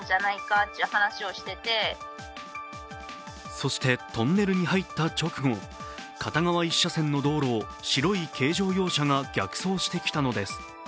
そして、トンネルに入った直後、片側一車線の道路を白い軽乗用車が逆走してきたのです。